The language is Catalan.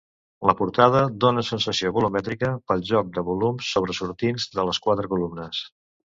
La portalada dóna sensació volumètrica pel joc de volums sobresortints de les quatre columnes.